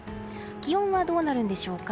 気温はどうなるんでしょうか。